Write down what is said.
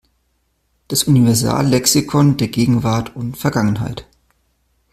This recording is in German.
Das "Universal-Lexikon der Gegenwart und Vergangenheit.